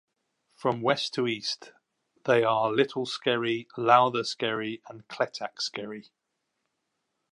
From west to east, they are Little Skerry, Louther Skerry and Clettack Skerry.